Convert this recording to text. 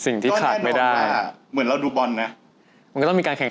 งั้นพอเราแบ่งทิมกันแล้ว